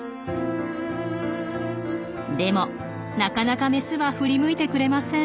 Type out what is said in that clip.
でもなかなかメスは振り向いてくれません。